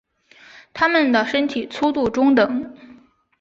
它们的身体粗度中等。